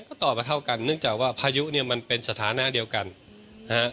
ก็ตอบมาเท่ากันเนื่องจากว่าพายุเนี่ยมันเป็นสถานะเดียวกันนะฮะ